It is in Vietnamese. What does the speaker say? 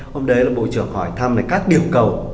hôm đấy là bộ trưởng hỏi thăm các điểm cầu